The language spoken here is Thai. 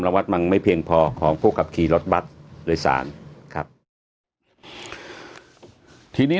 วัดมันไม่เพียงพอของผู้ขับขี่รถบัตรโดยสารครับทีนี้